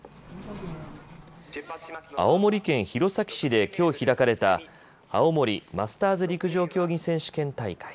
青森県弘前市できょう開かれた青森マスターズ陸上競技選手権大会。